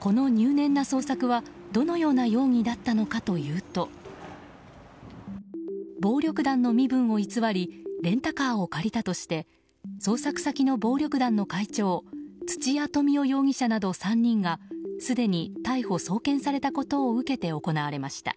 この入念な捜索は、どのような容疑だったのかというと暴力団の身分を偽りレンタカーを借りたとして捜索先の暴力団の会長土谷富男容疑者など３人がすでに逮捕・送検されたことを受けて行われました。